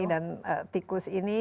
dan tikus ini